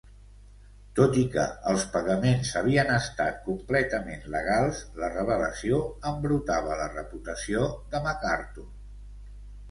Tot i que els pagaments havien estat completament legals, la revelació embrutava la reputació de MacArthur.